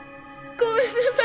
ごめんなさい！